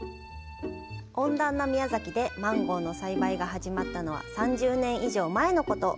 温暖な宮崎でマンゴーの栽培が始まったのは３０年以上前のこと。